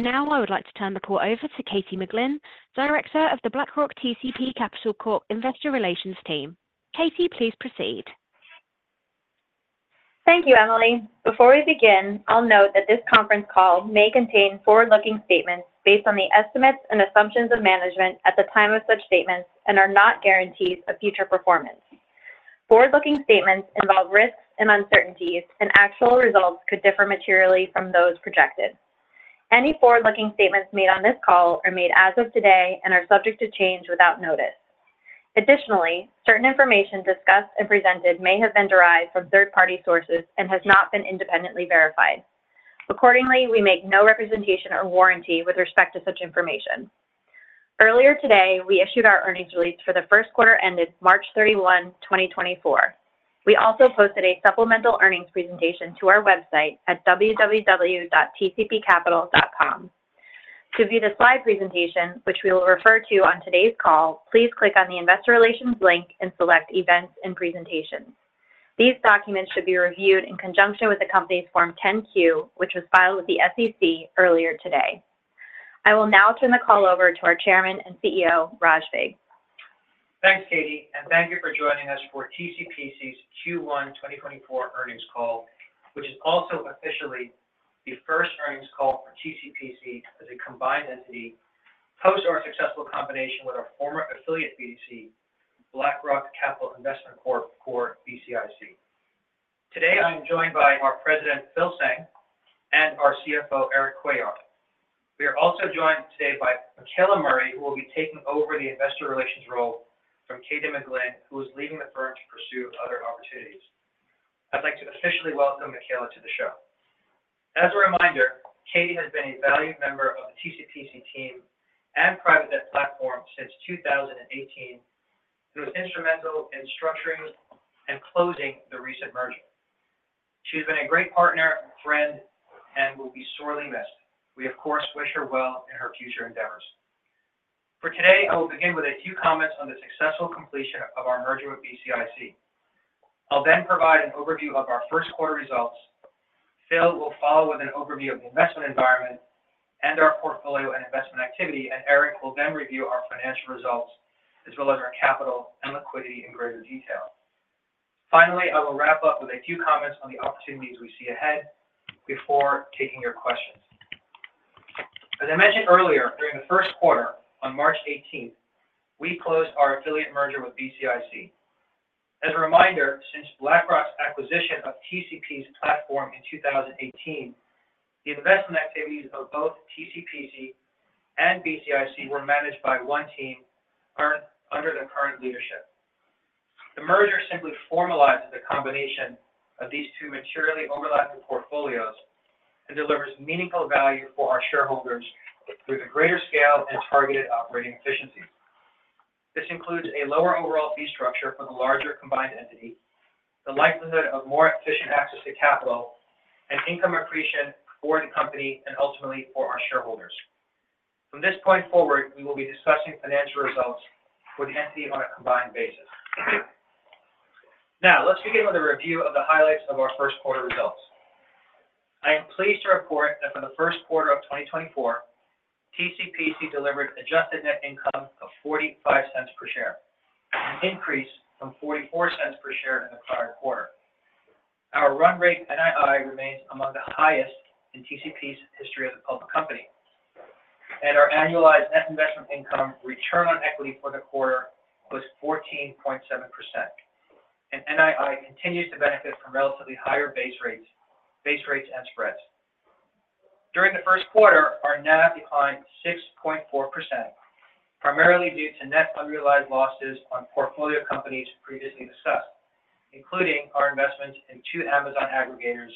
Now I would like to turn the call over to Katie McGlynn, Director of the BlackRock TCP Capital Corp Investor Relations team. Katie, please proceed. Thank you, Emily. Before we begin, I'll note that this conference call may contain forward-looking statements based on the estimates and assumptions of management at the time of such statements and are not guarantees of future performance. Forward-looking statements involve risks and uncertainties, and actual results could differ materially from those projected. Any forward-looking statements made on this call are made as of today and are subject to change without notice. Additionally, certain information discussed and presented may have been derived from third-party sources and has not been independently verified. Accordingly, we make no representation or warranty with respect to such information. Earlier today, we issued our earnings release for the first quarter ended 31 March 2024. We also posted a supplemental earnings presentation to our website at www.tcpcapital.com. To view the slide presentation, which we will refer to on today's call, please click on the Investor Relations link and select Events and Presentations. These documents should be reviewed in conjunction with the company's Form 10-Q, which was filed with the SEC earlier today. I will now turn the call over to our Chairman and CEO, Rajneesh Vig. Thanks, Katie, and thank you for joining us for TCPC's Q1 2024 earnings call, which is also officially the first earnings call for TCPC as a combined entity post our successful combination with our former affiliate BDC, BlackRock Capital Investment Corp, or BCIC. Today, I'm joined by our president, Phil Tseng, and our CFO, Erik Cuellar. We are also joined today by Michaela Murray, who will be taking over the investor relations role from Katie McGlynn, who is leaving the firm to pursue other opportunities. I'd like to officially welcome Michaela to the show. As a reminder, Katie has been a valued member of the TCPC team and private debt platform since 2018, and was instrumental in structuring and closing the recent merger. She's been a great partner and friend and will be sorely missed. We, of course, wish her well in her future endeavors. For today, I will begin with a few comments on the successful completion of our merger with BCIC. I'll then provide an overview of our first quarter results. Phil will follow with an overview of the investment environment and our portfolio and investment activity, and Erik will then review our financial results, as well as our capital and liquidity in greater detail. Finally, I will wrap up with a few comments on the opportunities we see ahead before taking your questions. As I mentioned earlier, during the first quarter on 18 March, we closed our affiliate merger with BCIC. As a reminder, since BlackRock's acquisition of TCP's platform in 2018, the investment activities of both TCPC and BCIC were managed by one team and are under the current leadership. The merger simply formalizes a combination of these two materially overlapping portfolios and delivers meaningful value for our shareholders through the greater scale and targeted operating efficiencies. This includes a lower overall fee structure for the larger combined entity, the likelihood of more efficient access to capital, and income accretion for the company and ultimately for our shareholders. From this point forward, we will be discussing financial results for the entity on a combined basis. Now, let's begin with a review of the highlights of our first quarter results. I am pleased to report that for the first quarter of 2024, TCPC delivered adjusted net income of $0.45 per share, an increase from $0.44 per share in the prior quarter. Our run rate NII remains among the highest in TCPC's history as a public company, and our annualized net investment income return on equity for the quarter was 14.7%, and NII continues to benefit from relatively higher base rates, base rates and spreads. During the first quarter, our NAV declined 6.4%, primarily due to net unrealized losses on portfolio companies previously discussed, including our investments in two Amazon aggregators,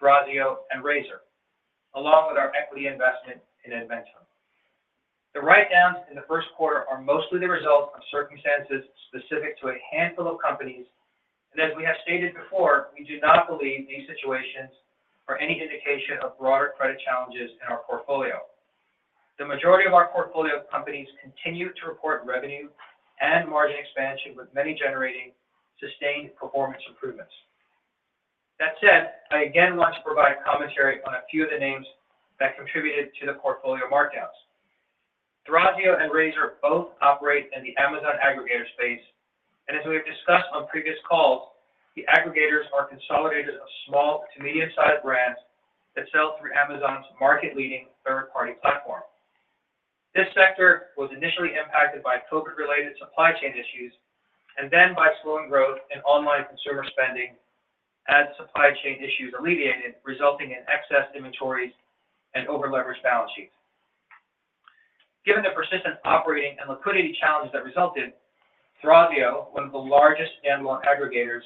Thrasio and Razor, along with our equity investment in Edmentum. The write-downs in the first quarter are mostly the result of circumstances specific to a handful of companies, and as we have stated before, we do not believe these situations are any indication of broader credit challenges in our portfolio. The majority of our portfolio companies continue to report revenue and margin expansion, with many generating sustained performance improvements. That said, I again want to provide commentary on a few of the names that contributed to the portfolio markdowns. Thrasio and Razor both operate in the Amazon aggregator space, and as we have discussed on previous calls, the aggregators are consolidators of small to medium-sized brands that sell through Amazon's market-leading third-party platform. This sector was initially impacted by COVID-related supply chain issues, and then by slowing growth in online consumer spending as supply chain issues alleviated, resulting in excess inventories and over-leveraged balance sheets. Given the persistent operating and liquidity challenges that resulted, Thrasio, one of the largest Amazon aggregators,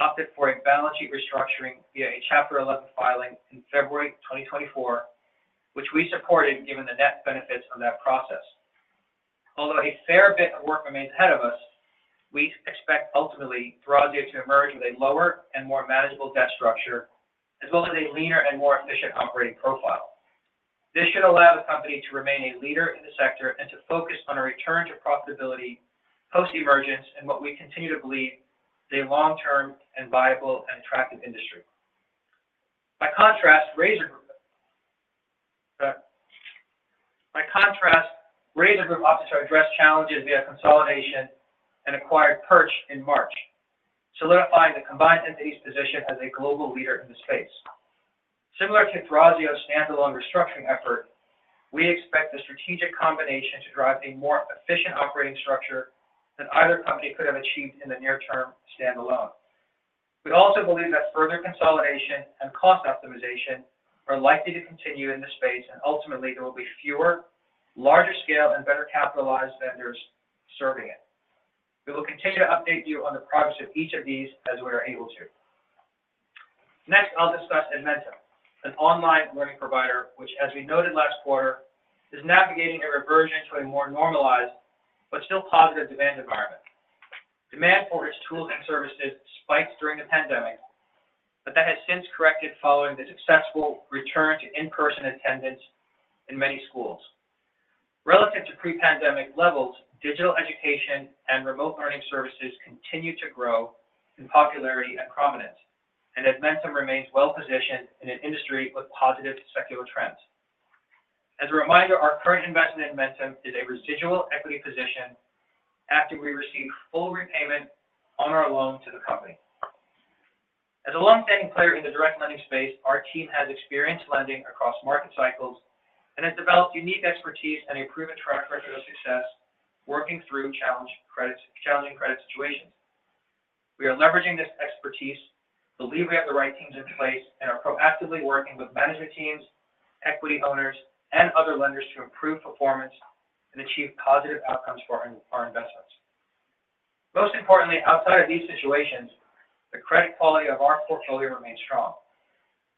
opted for a balance sheet restructuring via a Chapter 11 filing in February 2024, which we supported given the net benefits from that process. Although a fair bit of work remains ahead of us, we expect ultimately Thrasio to emerge with a lower and more manageable debt structure, as well as a leaner and more efficient operating profile. This should allow the company to remain a leader in the sector and to focus on a return to profitability post-emergence in what we continue to believe is a long-term and viable and attractive industry. By contrast, Razor Group opted to address challenges via consolidation and acquired Perch in March, solidifying the combined entity's position as a global leader in the space. Similar to Thrasio's standalone restructuring effort, we expect the strategic combination to drive a more efficient operating structure than either company could have achieved in the near term standalone. We also believe that further consolidation and cost optimization are likely to continue in this space, and ultimately, there will be fewer, larger scale, and better capitalized vendors serving it. We will continue to update you on the progress of each of these as we are able to. Next, I'll discuss Edmentum, an online learning provider, which, as we noted last quarter, is navigating a reversion to a more normalized but still positive demand environment. Demand for its tools and services spiked during the pandemic, but that has since corrected following the successful return to in-person attendance in many schools. Relative to pre-pandemic levels, digital education and remote learning services continue to grow in popularity and prominence, and Edmentum remains well-positioned in an industry with positive secular trends. As a reminder, our current investment in Edmentum is a residual equity position after we received full repayment on our loan to the company. As a longstanding player in the direct lending space, our team has experienced lending across market cycles and has developed unique expertise and a proven track record of success working through challenge credits, challenging credit situations. We are leveraging this expertise, believe we have the right teams in place, and are proactively working with management teams, equity owners, and other lenders to improve performance and achieve positive outcomes for our, our investments. Most importantly, outside of these situations, the credit quality of our portfolio remains strong.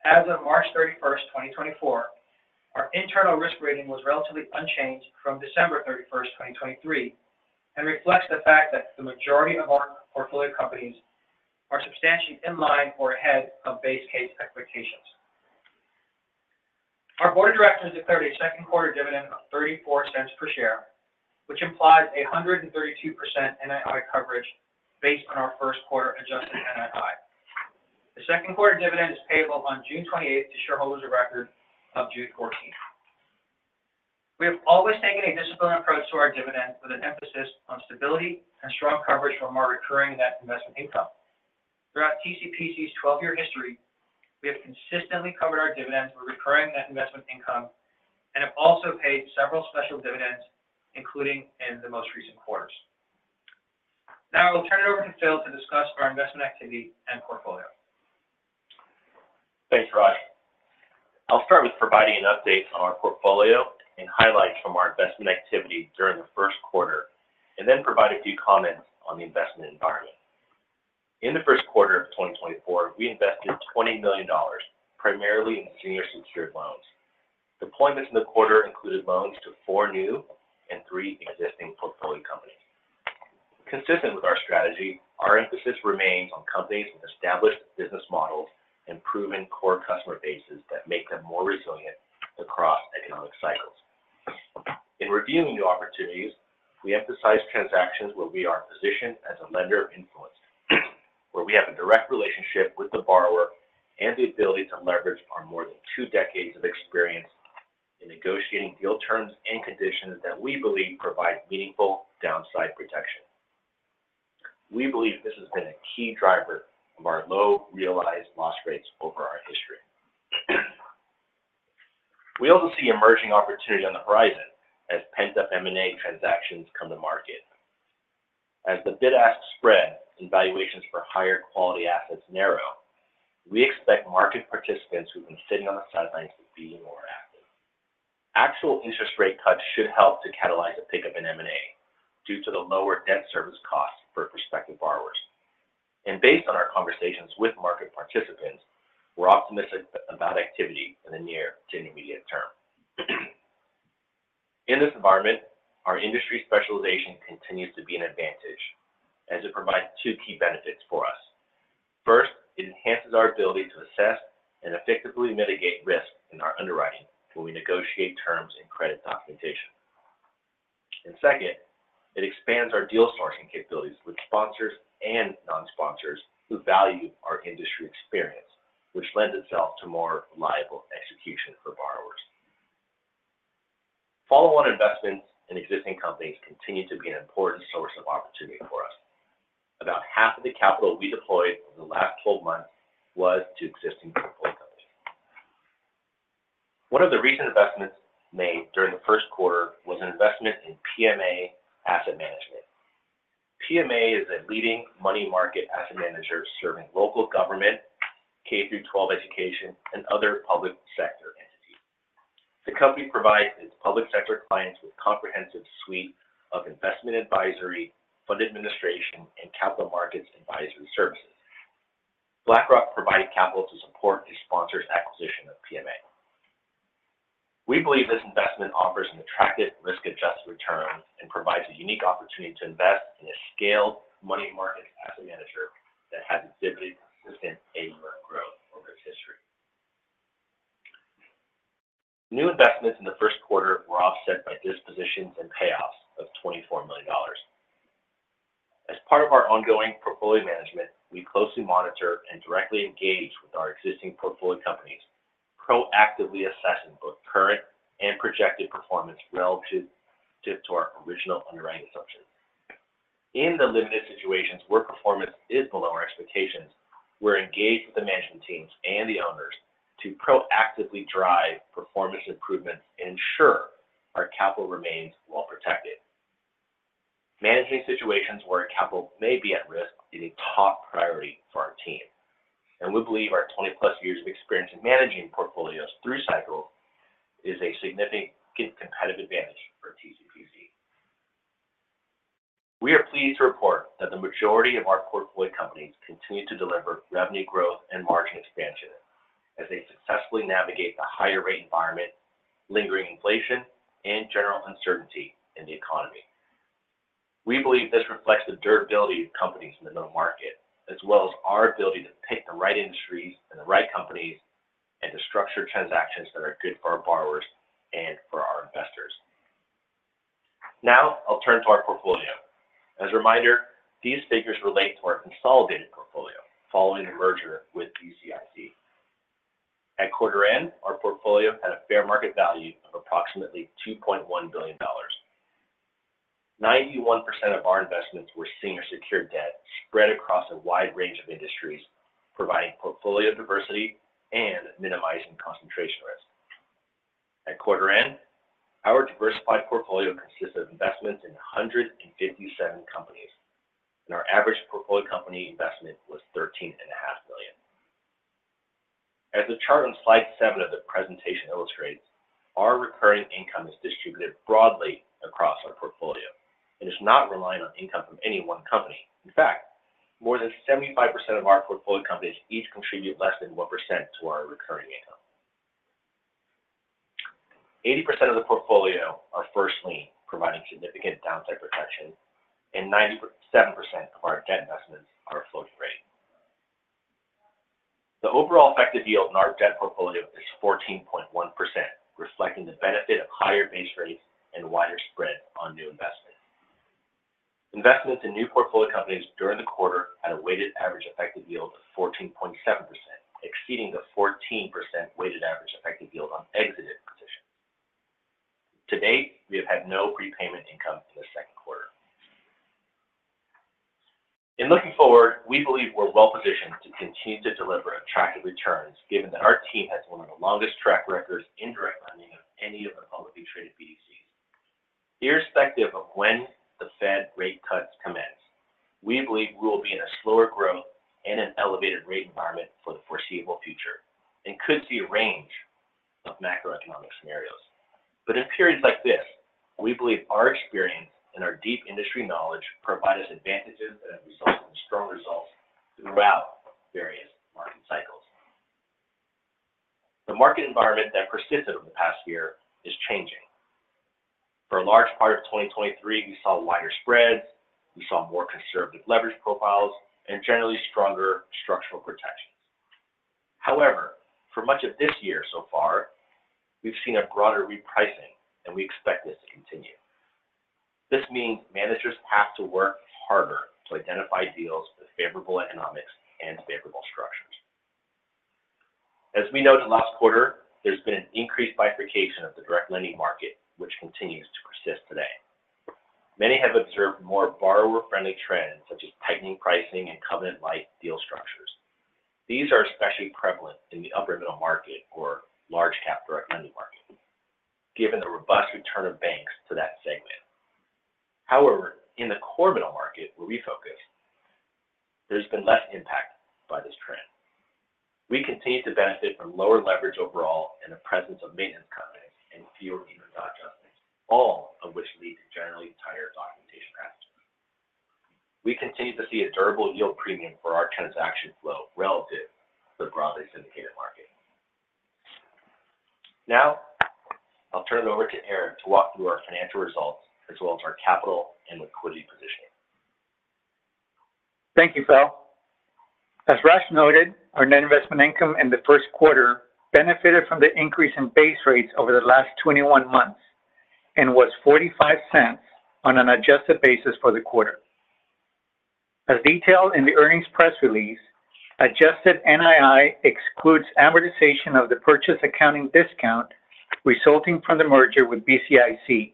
As of 31 March 2024, our internal risk rating was relatively unchanged from 31 December 2023 and reflects the fact that the majority of our portfolio companies are substantially in line or ahead of base case expectations. Our board of directors declared a second quarter dividend of $0.34 per share, which implies 132% NII coverage based on our first quarter adjusted NII. The second quarter dividend is payable on 28 June to shareholders of record of 14 June. We have always taken a disciplined approach to our dividend, with an emphasis on stability and strong coverage from our recurring net investment income. Throughout TCPC's 12-year history, we have consistently covered our dividends with recurring net investment income and have also paid several special dividends, including in the most recent quarters. Now, I'll turn it over to Phil to discuss our investment activity and portfolio. Thanks, Raj. I'll start with providing an update on our portfolio and highlights from our investment activity during the first quarter, and then provide a few comments on the investment environment. In the first quarter of 2024, we invested $20 million, primarily in senior secured loans. Deployments in the quarter included loans to four new and three existing portfolio companies. Consistent with our strategy, our emphasis remains on companies with established business models and proven core customer bases that make them more resilient across economic cycles. In reviewing new opportunities, we emphasize transactions where we are positioned as a lender of influence, where we have a direct relationship with the borrower, and the ability to leverage our more than two decades of experience in negotiating deal terms and conditions that we believe provide meaningful downside protection. We believe this has been a key driver of our low realized loss rates over our history. We also see emerging opportunity on the horizon as pent-up M&A transactions come to market. As the bid-ask spread and valuations for higher quality assets narrow, we expect market participants who've been sitting on the sidelines to be more active. Actual interest rate cuts should help to catalyze a pickup in M&A due to the lower debt service costs for prospective borrowers. Based on our conversations with market participants, we're optimistic about activity in the near to intermediate term. In this environment, our industry specialization continues to be an advantage as it provides two key benefits for us. First, it enhances our ability to assess and effectively mitigate risk in our underwriting when we negotiate terms and credit documentation. Second, it expands our deal sourcing capabilities with sponsors and non-sponsors who value our industry experience, which lends itself to more reliable execution for borrowers. Follow-on investments in existing companies continue to be an important source of opportunity for us. About half of the capital we deployed over the last 12 months was to existing portfolio companies. One of the recent investments made during the first quarter was an investment in PMA Asset Management. PMA is a leading money market asset manager serving local government, K-12 education, and other public sector entities. The company provides its public sector clients with a comprehensive suite of investment advisory, fund administration, and capital markets advisory services. BlackRock provided capital to support the sponsor's acquisition of PMA. We believe this investment offers an attractive risk-adjusted return and provides a unique opportunity to invest in a scaled money market asset manager that has exhibited consistent of its history. New investments in the first quarter were offset by dispositions and payoffs of $24 million. As part of our ongoing portfolio management, we closely monitor and directly engage with our existing portfolio companies, proactively assessing both current and projected performance relative to our original underwriting assumptions. In the limited situations where performance is below our expectations, we're engaged with the management teams and the owners to proactively drive performance improvements and ensure our capital remains well protected. Managing situations where capital may be at risk is a top priority for our team, and we believe our 20+ years of experience in managing portfolios through cycles is a significant competitive advantage for TCPC. We are pleased to report that the majority of our portfolio companies continue to deliver revenue growth and margin expansion as they successfully navigate the higher rate environment, lingering inflation, and general uncertainty in the economy. We believe this reflects the durability of companies in the middle market, as well as our ability to pick the right industries and the right companies, and to structure transactions that are good for our borrowers and for our investors. Now, I'll turn to our portfolio. As a reminder, these figures relate to our consolidated portfolio following a merger with BCIC. At quarter end, our portfolio had a fair market value of approximately $2.1 billion. 91% of our investments were senior secured debt spread across a wide range of industries, providing portfolio diversity and minimizing concentration risk. At quarter end, our diversified portfolio consisted of investments in 157 companies, and our average portfolio company investment was $13.5 million. As the chart on Slide seven of the presentation illustrates, our recurring income is distributed broadly across our portfolio and is not reliant on income from any one company. In fact, more than 75% of our portfolio companies each contribute less than 1% to our recurring income. 80% of the portfolio are first lien, providing significant downside protection, and 97% of our debt investments are floating rate. The overall effective yield on our debt portfolio is 14.1%, reflecting the benefit of higher base rates and wider spread on new investments. Investments in new portfolio companies during the quarter had a weighted average effective yield of 14.7%, exceeding the 14% weighted average effective yield on exited positions. To date, we have had no prepayment income in the second quarter. In looking forward, we believe we're well positioned to continue to deliver attractive returns, given that our team has one of the longest track records in direct lending of any of the publicly traded BDCs. Irrespective of when the Fed rate cuts commence, we believe we will be in a slower growth and an elevated rate environment for the foreseeable future and could see a range of macroeconomic scenarios. But in periods like this, we believe our experience and our deep industry knowledge provide us advantages that have resulted in strong results throughout various market cycles. The market environment that persisted over the past year is changing. For a large part of 2023, we saw wider spreads, we saw more conservative leverage profiles, and generally stronger structural protections. However, for much of this year so far, we've seen a broader repricing, and we expect this to continue. This means managers have to work harder to identify deals with favorable economics and favorable structures. As we noted last quarter, there's been an increased bifurcation of the direct lending market, which continues to persist today. Many have observed more borrower-friendly trends, such as tightening pricing and covenant-light deal structures. These are especially prevalent in the upper middle market or large cap direct lending market, given the robust return of banks to that segment. However, in the core middle market, where we focus, there's been less impact by this trend. We continue to benefit from lower leverage overall and the presence of maintenance covenants, all of which lead to generally tighter documentation practices. We continue to see a durable yield premium for our transaction flow relative to the broadly syndicated market. Now, I'll turn it over to Erik to walk through our financial results, as well as our capital and liquidity positioning. Thank you, Phil. As Raj noted, our net investment income in the first quarter benefited from the increase in base rates over the last 21 months and was $0.45 on an adjusted basis for the quarter. As detailed in the earnings press release, adjusted NII excludes amortization of the purchase accounting discount resulting from the merger with BCIC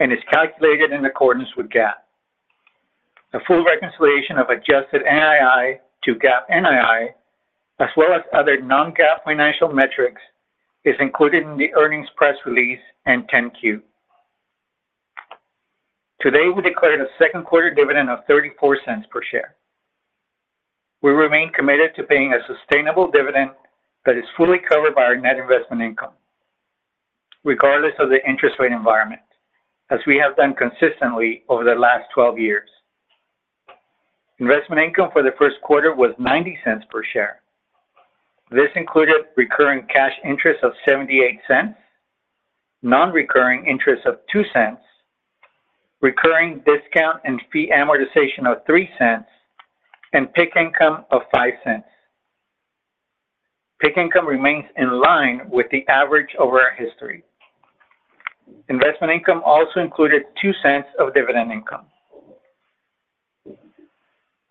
and is calculated in accordance with GAAP. A full reconciliation of adjusted NII to GAAP NII, as well as other non-GAAP financial metrics, is included in the earnings press release and 10-Q. Today, we declared a second quarter dividend of $0.34 per share. We remain committed to paying a sustainable dividend that is fully covered by our net investment income, regardless of the interest rate environment, as we have done consistently over the last 12 years. Investment income for the first quarter was $0.90 per share. This included recurring cash interest of $0.78, non-recurring interest of $0.02, recurring discount and fee amortization of $0.03 and PIK income of $0.05. PIK income remains in line with the average over our history. Investment income also included $0.02 of dividend income.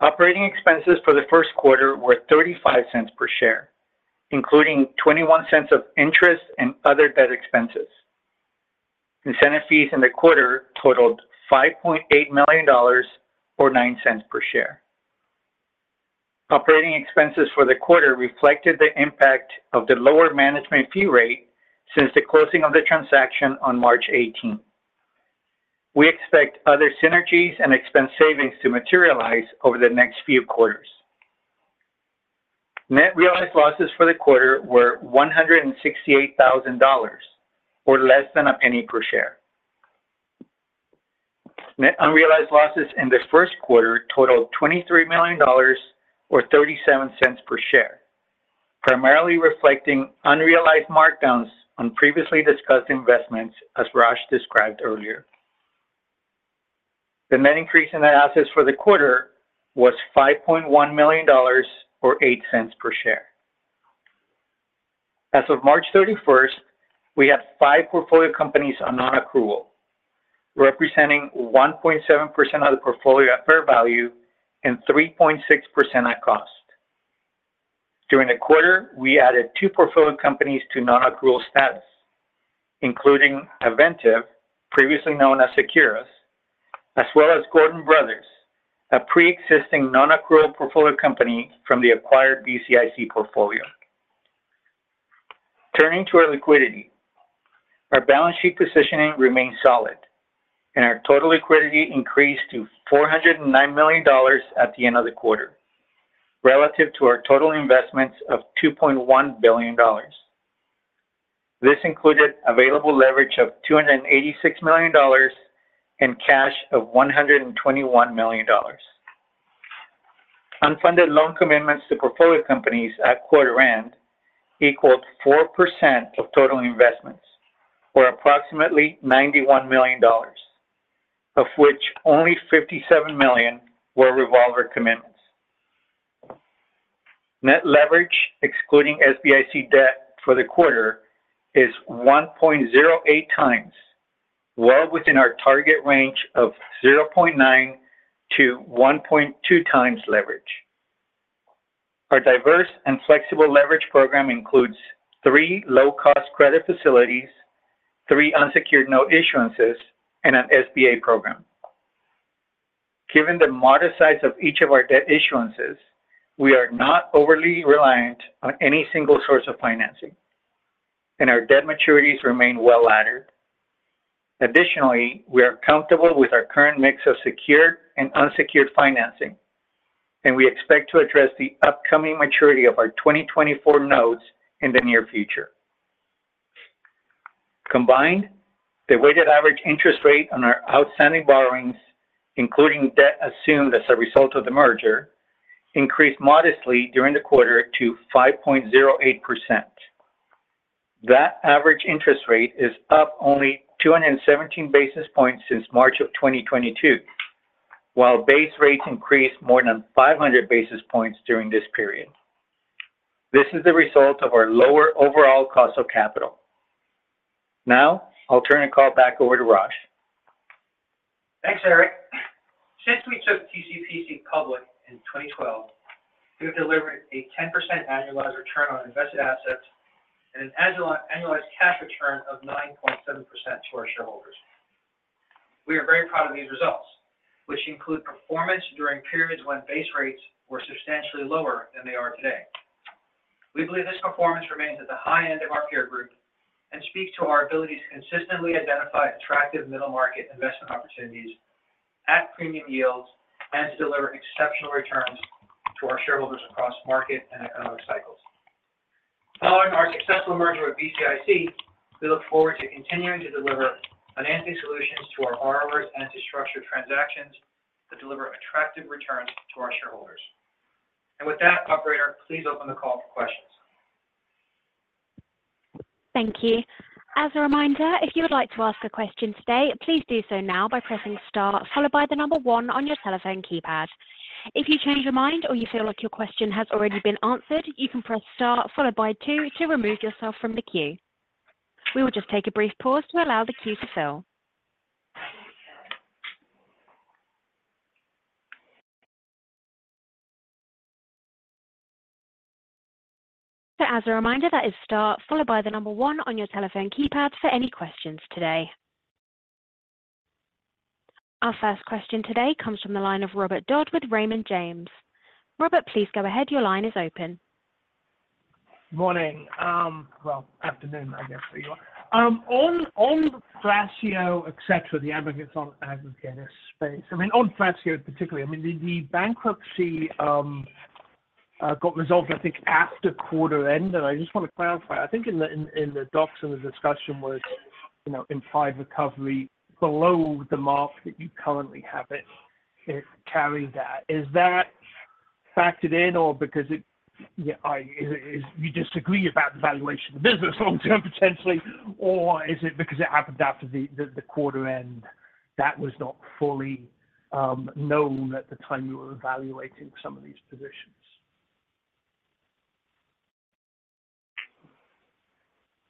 Operating expenses for the first quarter were $0.35 per share, including $0.21 of interest and other debt expenses. Incentive fees in the quarter totaled $5.8 million, or $0.09 per share. Operating expenses for the quarter reflected the impact of the lower management fee rate since the closing of the transaction on 18 March. We expect other synergies and expense savings to materialize over the next few quarters. Net realized losses for the quarter were $168,000, or less than $0.01 per share. Net unrealized losses in the first quarter totaled $23 million, or $0.37 per share, primarily reflecting unrealized markdowns on previously discussed investments, as Raj described earlier. The net increase in the assets for the quarter was $5.1 million, or $0.08 per share. As of 31 March, we have five portfolio companies on non-accrual, representing 1.7% of the portfolio at fair value and 3.6% at cost. During the quarter, we added two portfolio companies to non-accrual status, including Aventiv, previously known as Securus, as well as Gordon Brothers, a pre-existing non-accrual portfolio company from the acquired BCIC portfolio. Turning to our liquidity. Our balance sheet positioning remains solid, and our total liquidity increased to $409 million at the end of the quarter, relative to our total investments of $2.1 billion. This included available leverage of $286 million and cash of $121 million. Unfunded loan commitments to portfolio companies at quarter end equaled 4% of total investments, or approximately $91 million, of which only $57 million were revolver commitments. Net leverage, excluding SBIC debt for the quarter, is 1.08x, well within our target range of 0.9x-1.2x leverage. Our diverse and flexible leverage program includes three low-cost credit facilities, three unsecured note issuances, and an SBA program. Given the moderate size of each of our debt issuances, we are not overly reliant on any single source of financing, and our debt maturities remain well laddered. Additionally, we are comfortable with our current mix of secured and unsecured financing, and we expect to address the upcoming maturity of our 2024 notes in the near future. Combined, the weighted average interest rate on our outstanding borrowings, including debt assumed as a result of the merger, increased modestly during the quarter to 5.08%. That average interest rate is up only 217 basis points since March 2022, while base rates increased more than 500 basis points during this period. This is the result of our lower overall cost of capital. Now, I'll turn the call back over to Raj. Thanks, Eric. Since we took TCPC public in 2012, we've delivered a 10% annualized return on invested assets and an annualized cash return of 9.7% to our shareholders. We are very proud of these results, which include performance during periods when base rates were substantially lower than they are today. We believe this performance remains at the high end of our peer group and speaks to our ability to consistently identify attractive middle-market investment opportunities at premium yields and deliver exceptional returns to our shareholders across market and economic cycles. Following our successful merger with BCIC, we look forward to continuing to deliver financing solutions to our borrowers and to structure transactions that deliver attractive returns to our shareholders. And with that, operator, please open the call for questions. Thank you. As a reminder, if you would like to ask a question today, please do so now by pressing star followed by the number one on your telephone keypad. If you change your mind or you feel like your question has already been answered, you can press star followed by two to remove yourself from the queue. We will just take a brief pause to allow the queue to fill. As a reminder, that is star followed by the number one on your telephone keypad for any questions today. Our first question today comes from the line of Robert Dodd with Raymond James. Robert, please go ahead. Your line is open. Morning, well, afternoon, I guess, for you all. On Thrasio, etc., the aggregators in the aggregator space. I mean, on Thrasio, particularly, I mean, the bankruptcy got resolved, I think, after quarter end, and I just want to clarify. I think in the docs and the discussion was, you know, implied recovery below the mark that you currently have it carrying at. Is that factored in or is it because you disagree about the valuation of the business long-term potentially, or is it because it happened after the quarter end that was not fully known at the time you were evaluating some of these positions?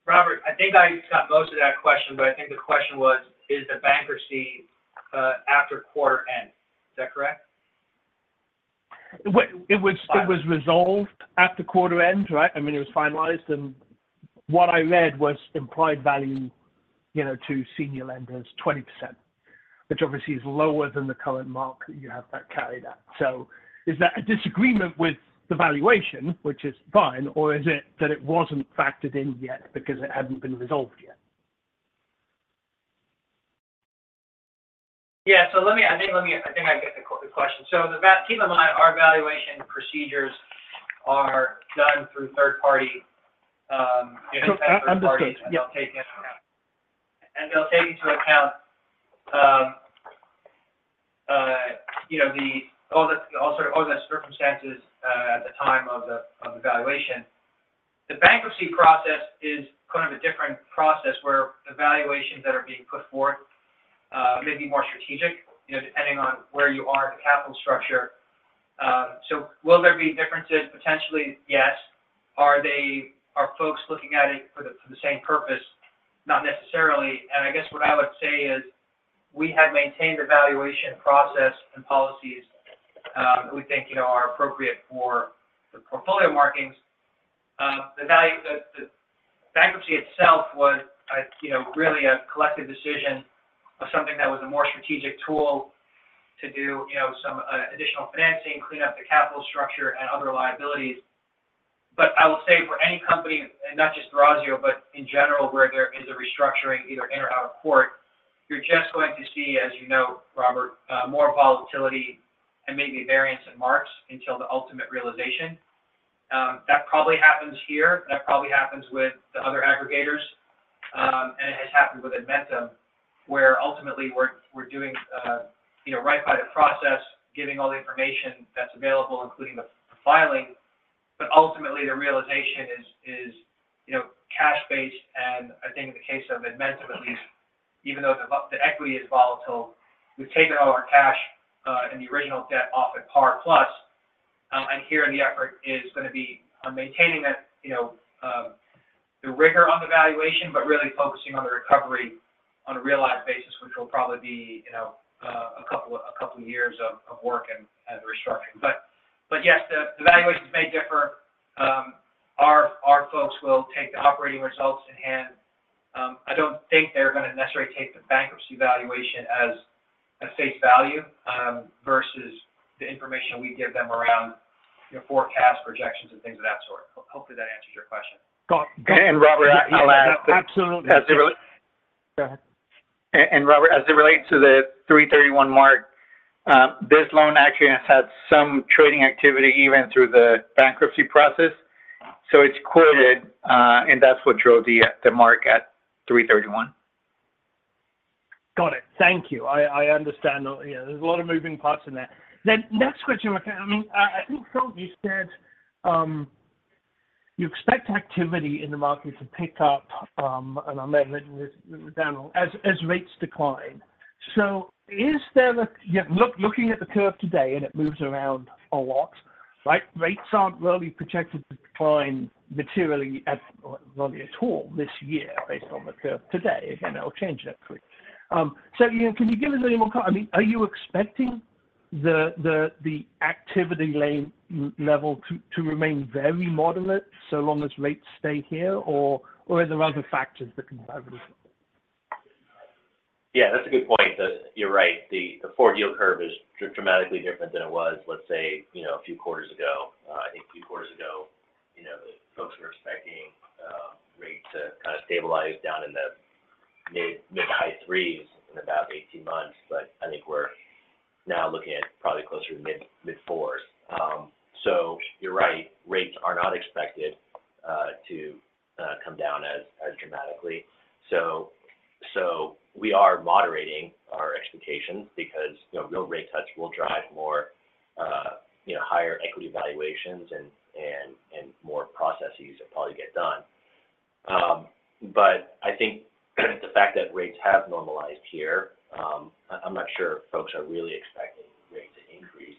Robert, I think I got most of that question, but I think the question was, is the bankruptcy after quarter end, is that correct? Well, it was- Yeah. It was resolved after quarter end, right? I mean, it was finalized, and what I read was implied value, you know, to senior lenders, 20%, which obviously is lower than the current mark you have that carried at. So is that a disagreement with the valuation, which is fine, or is it that it wasn't factored in yet because it hadn't been resolved yet? Yeah. So let me, I think, I get the question. So the valuation, keep in mind, our valuation procedures are done through third party, you know, third parties. Understood, yeah. They'll take into account, you know, all the circumstances at the time of the valuation. The bankruptcy process is kind of a different process where the valuations that are being put forth may be more strategic, you know, depending on where you are in the capital structure. So will there be differences? Potentially, yes. Are folks looking at it for the same purpose? Not necessarily. And I guess what I would say is we have maintained the valuation process and policies that we think, you know, are appropriate for the portfolio markings. The value, the bankruptcy itself was a, you know, really a collective decision of something that was a more strategic tool to do, you know, some additional financing, clean up the capital structure and other liabilities. But I will say for any company, and not just Thrasio, but in general, where there is a restructuring, either in or out of court, you're just going to see, as you know, Robert, more volatility and maybe variance in marks until the ultimate realization. That probably happens here. That probably happens with the other aggregators, and it has happened with Edmentum, where ultimately we're doing, you know, right by the process, giving all the information that's available, including the filing. But ultimately, the realization is, you know, cash-based, and I think in the case of Edmentum, at least, even though the equity is volatile, we've taken all our cash and the original debt off at par plus. And here the effort is gonna be on maintaining that, you know, the rigor on the valuation, but really focusing on the recovery on a realized basis, which will probably be, you know, a couple years of work and restructuring. But yes, the valuations may differ. Our folks will take the operating results in hand. I don't think they're gonna necessarily take the bankruptcy valuation as a face value, versus the information we give them around, you know, forecast projections and things of that sort. Hopefully, that answers your question. Got it. Robert, I'll add- Absolutely. As it re- Go ahead. Robert, as it relates to the 3.31 mark, this loan actually has had some trading activity even through the bankruptcy process. It's quoted, and that's what drove the mark at 3.31. Got it. Thank you. I understand all, yeah, there's a lot of moving parts in there. Then next question, I mean, I think, Phil, you said you expect activity in the market to pick up, and I'm then reading this down, as rates decline. So is there the... Yeah, looking at the curve today, and it moves around a lot, right? Rates aren't really projected to decline materially, or not at all this year, based on the curve today. Again, that will change quickly. So again, can you give us any more, I mean, are you expecting the activity level to remain very moderate so long as rates stay here, or are there other factors that can drive it? Yeah, that's a good point. You're right, the forward yield curve is dramatically different than it was, let's say, you know, a few quarters ago. I think a few quarters ago, you know, folks were expecting rates to kind of stabilize down in the mid- to mid-high three in about 18 months, but I think we're now looking at probably closer to mid-four. So you're right, rates are not expected to come down as dramatically. So we are moderating our expectations because, you know, rate cuts will drive more, you know, higher equity valuations and more processes that probably get done. But I think the fact that rates have normalized here, I'm not sure folks are really expecting rates to increase,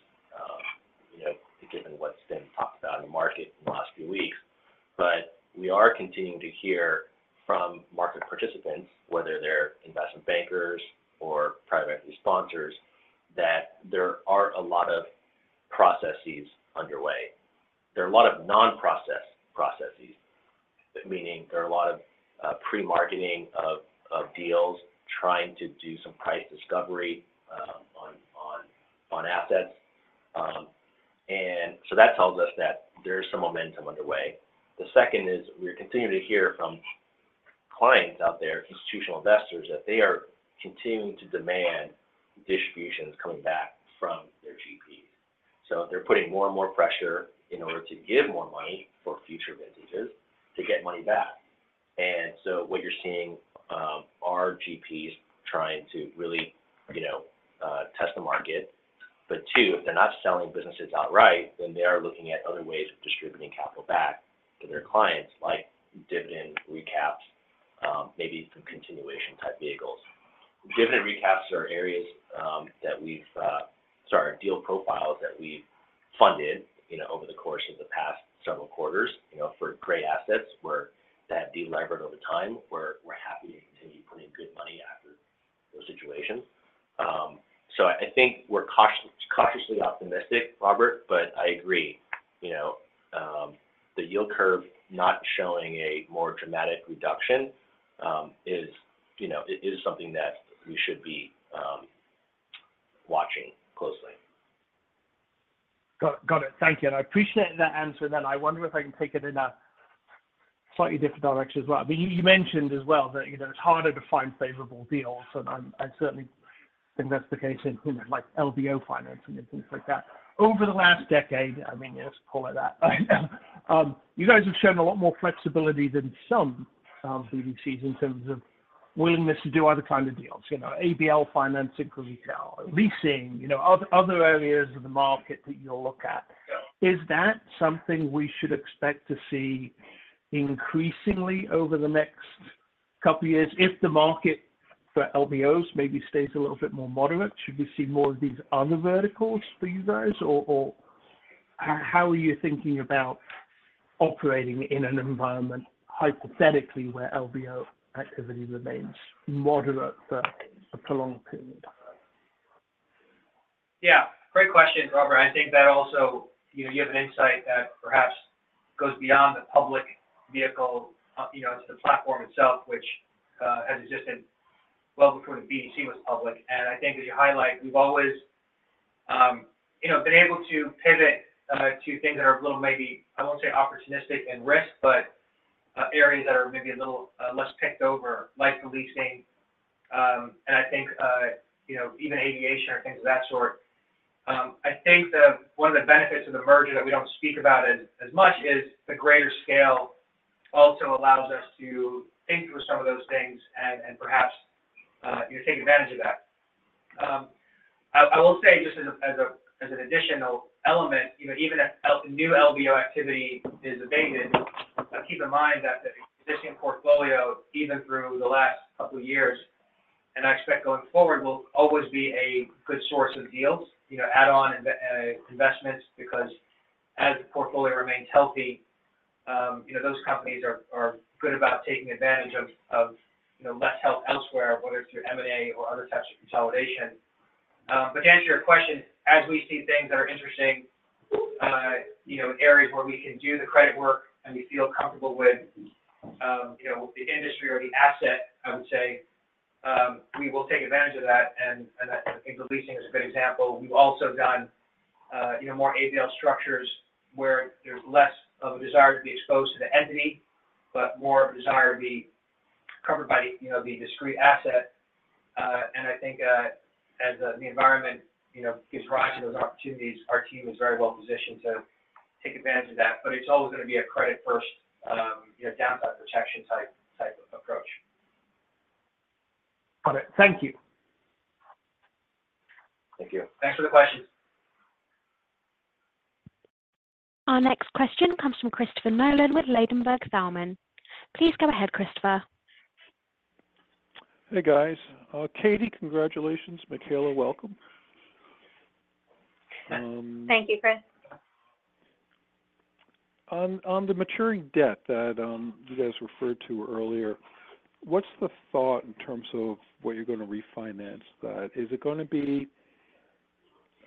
you know, given what's been talked about in the market in the last few weeks. But we are continuing to hear from market participants, whether they're investment bankers or private equity sponsors, that there are a lot of processes underway. There are a lot of non-process processes, meaning there are a lot of pre-marketing of deals, trying to do some price discovery on assets. And so that tells us that there is some momentum underway. The second is we're continuing to hear from clients out there, institutional investors, that they are continuing to demand distributions coming back from their GPs. So they're putting more and more pressure in order to give more money for future vintages to get money back. And so what you're seeing are GPs trying to really, you know, test the market. But too, if they're not selling businesses outright, then they are looking at other ways of distributing capital back to their clients, like dividend recaps, maybe some continuation-type vehicles. Dividend recaps are areas, sorry, deal profiles that we've funded, you know, over the course of the past several quarters, you know, for great assets where that de-levered over time, we're happy to continue putting good money after those situations. So I think we're cautiously optimistic, Robert, but I agree. You know, the yield curve not showing a more dramatic reduction is, you know, it is something that we should be watching closely. Got it. Thank you. And I appreciate that answer, and then I wonder if I can take it in a slightly different direction as well. But you mentioned as well that, you know, it's harder to find favorable deals, and I certainly think that's the case in, you know, like LBO financing and things like that. Over the last decade, I mean, let's call it that, you guys have shown a lot more flexibility than some BDCs in terms of willingness to do other kinds of deals. You know, ABL financing for retail, leasing, you know, other areas of the market that you'll look at. Is that something we should expect to see increasingly over the next couple of years? If the market for LBOs maybe stays a little bit more moderate, should we see more of these other verticals for you guys, or how are you thinking about operating in an environment, hypothetically, where LBO activity remains moderate for a prolonged period? Yeah. Great question, Robert. I think that also, you know, you have an insight that perhaps goes beyond the public vehicle, you know, to the platform itself, which has existed well before the BDC was public. And I think, as you highlight, we've always, you know, been able to pivot to things that are a little, maybe, I won't say opportunistic and risk, but areas that are maybe a little less picked over, like the leasing. And I think, you know, even aviation or things of that sort. I think one of the benefits of the merger that we don't speak about as much is the greater scale also allows us to think through some of those things and perhaps, you know, take advantage of that. I will say, just as an additional element, you know, even if new LBO activity is abated, keep in mind that the existing portfolio, even through the last couple of years, and I expect going forward, will always be a good source of deals. You know, add on investments, because as the portfolio remains healthy, you know, those companies are good about taking advantage of, you know, less help elsewhere, whether it's through M&A or other types of consolidation. But to answer your question, as we see things that are interesting, you know, areas where we can do the credit work and we feel comfortable with, you know, the industry or the asset, I would say, we will take advantage of that, and I think the leasing is a good example. We've also done, you know, more ABL structures where there's less of a desire to be exposed to the entity, but more of a desire to be covered by, you know, the discrete asset. And I think, as the environment, you know, gives rise to those opportunities, our team is very well positioned to take advantage of that. But it's always gonna be a credit-first, you know, downside protection type of approach. Got it. Thank you. Thank you. Thanks for the question. Our next question comes from Christopher Nolan with Ladenburg Thalmann. Please go ahead, Christopher. Hey, guys. Katie, congratulations. Michaela, welcome. Thank you, Chris. On the maturing debt that you guys referred to earlier, what's the thought in terms of where you're gonna refinance that? Is it gonna be,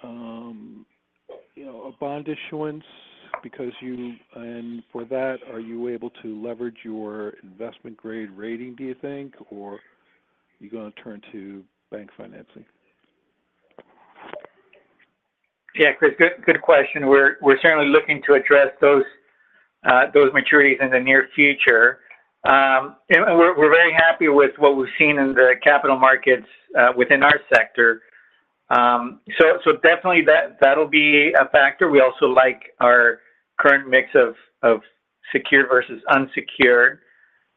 you know, a bond issuance because you... And for that, are you able to leverage your investment grade rating, do you think? Or you gonna turn to bank financing? Yeah, Chris, good question. We're certainly looking to address those maturities in the near future. And we're very happy with what we've seen in the capital markets within our sector. So definitely that, that'll be a factor. We also like our current mix of secure versus unsecured.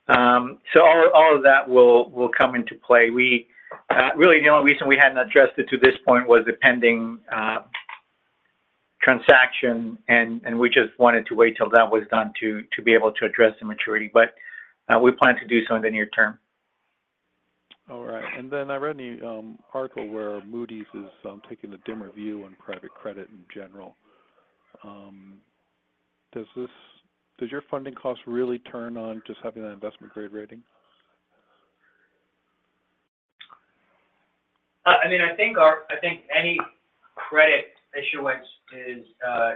So all of that will come into play. Really, the only reason we hadn't addressed it to this point was the pending transaction, and we just wanted to wait till that was done to be able to address the maturity. But we plan to do so in the near term. All right. And then I read an article where Moody's is taking a dimmer view on private credit in general. Does your funding costs really turn on just having that investment grade rating? I mean, I think any credit issuance is,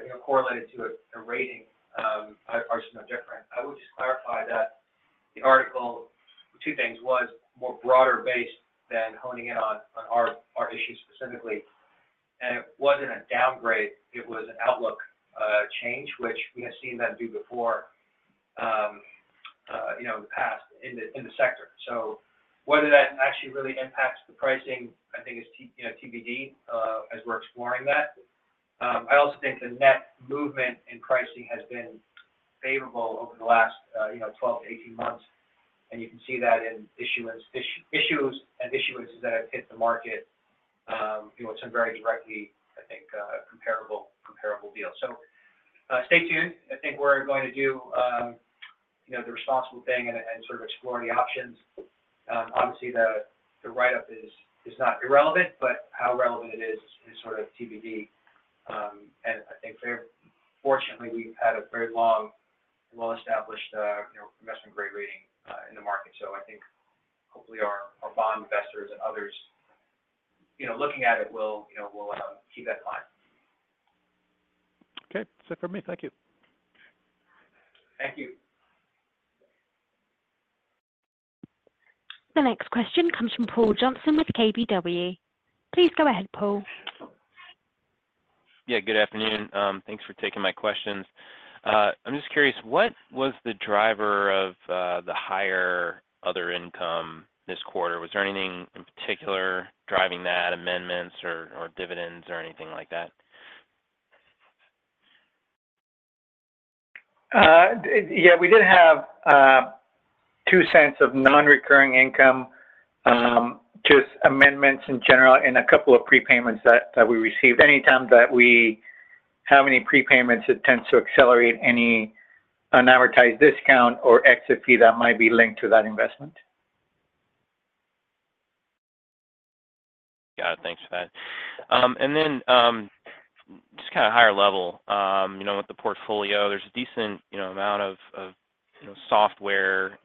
you know, correlated to a rating, but ours are no different. I would just clarify that the article, two things, was more broader-based than honing in on our issues specifically. And it wasn't a downgrade, it was an outlook change, which we have seen that do before, you know, in the past, in the sector. So whether that actually really impacts the pricing, I think is TBD, you know, as we're exploring that.... I also think the net movement in pricing has been favorable over the last, you know, 12-18 months, and you can see that in issuances that have hit the market, you know, it's a very directly comparable deal, I think. So, stay tuned. I think we're going to do, you know, the responsible thing and sort of explore the options. Obviously, the write-up is not irrelevant, but how relevant it is is sort of TBD. And I think very fortunately, we've had a very long and well-established, you know, investment-grade rating in the market. So I think hopefully our bond investors and others, you know, looking at it will, you know, keep that fine. Okay. That's it for me. Thank you. Thank you. The next question comes from Paul Johnson with KBW. Please go ahead, Paul. Yeah, good afternoon. Thanks for taking my questions. I'm just curious, what was the driver of the higher other income this quarter? Was there anything in particular driving that, amendments or, or dividends or anything like that? Yeah, we did have $0.02 of non-recurring income, just amendments in general and a couple of prepayments that we received. Anytime that we have any prepayments, it tends to accelerate any unadvertised discount or exit fee that might be linked to that investment. Got it. Thanks for that. And then, just kinda higher level, you know, with the portfolio, there's a decent, you know, amount of software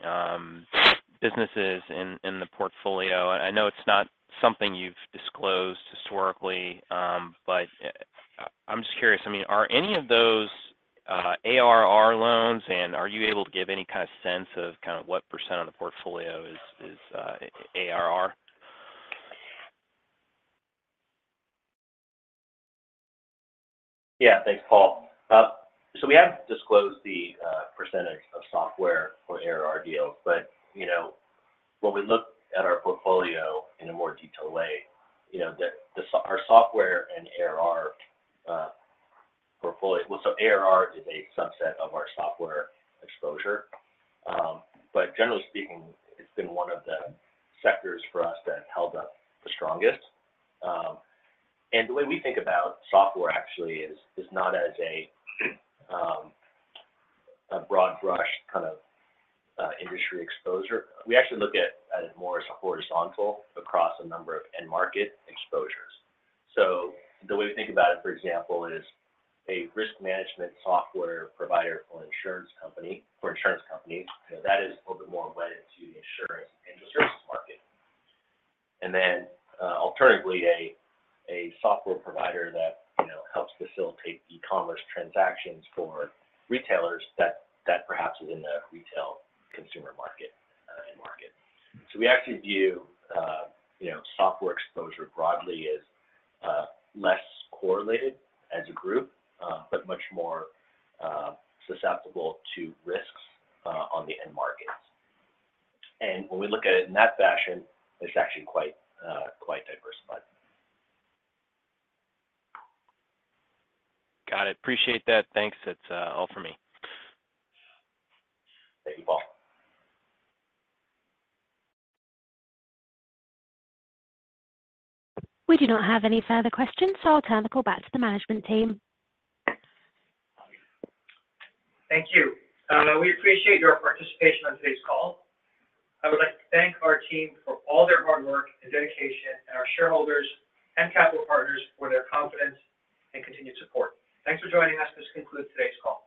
businesses in the portfolio. I know it's not something you've disclosed historically, but I'm just curious. I mean, are any of those ARR loans, and are you able to give any kind of sense of what percent of the portfolio is ARR? Yeah. Thanks, Paul. So we have disclosed the percentage of software for ARR deals, but, you know, when we look at our portfolio in a more detailed way, you know, our software and ARR portfolio. Well, so ARR is a subset of our software exposure. But generally speaking, it's been one of the sectors for us that held up the strongest. And the way we think about software actually is not as a broad brush kind of industry exposure. We actually look at it more as a horizontal across a number of end market exposures. So the way we think about it, for example, is a risk management software provider or insurance company, for insurance companies, so that is a little bit more embedded to the insurance and services market. And then, alternatively, a software provider that, you know, helps facilitate e-commerce transactions for retailers, that perhaps is in the retail consumer market, end market. So we actually view, you know, software exposure broadly as less correlated as a group, but much more susceptible to risks on the end markets. And when we look at it in that fashion, it's actually quite, quite diversified. Got it. Appreciate that. Thanks. That's all for me. Thank you, Paul. We do not have any further questions, so I'll turn the call back to the management team. Thank you. We appreciate your participation on today's call. I would like to thank our team for all their hard work and dedication, and our shareholders and capital partners for their confidence and continued support. Thanks for joining us. This concludes today's call.